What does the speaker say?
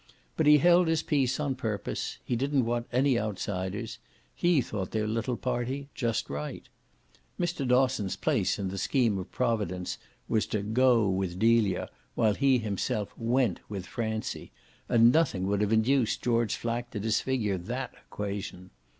But he held his peace on purpose; he didn't want any outsiders; he thought their little party just right. Mr. Dosson's place in the scheme of Providence was to "go" with Delia while he himself "went" with Francie, and nothing would have induced George Flack to disfigure that equation.